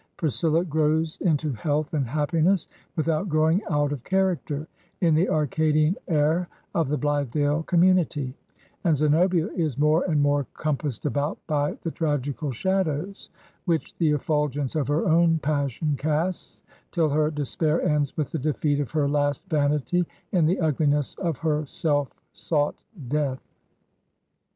Priscilla grows into health and happiness without growing out of character, in the Arcadian air of the Blithedale com munity ; and Zenobia is more and more compassed about by the tragical shadows which the effulgence of her own passion casts, till her despair ends with the defeat of her last vanity in the ugliness of her self sought death.